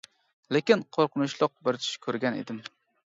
لېكىن قورقۇنچلۇق بىر چۈش كۆرگەن ئىدىم.